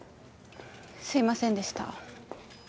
すいませんでした